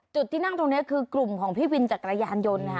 จุดที่นั่งตรงนี้คือกลุ่มของพี่วินจักรยานยนต์นะคะ